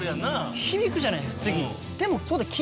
でも。